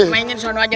mainnya disono aja